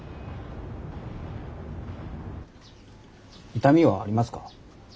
痛みはありますか？